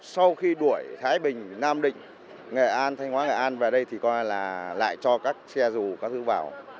sau khi đuổi thái bình nam định nghệ an thanh hóa nghệ an về đây thì coi là lại cho các xe dù các thứ vào